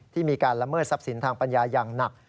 มีการละเมิดทรัพย์สินทางปัญญาอย่างหนัก